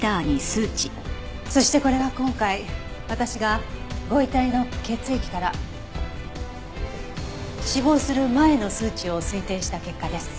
そしてこれが今回私がご遺体の血液から死亡する前の数値を推定した結果です。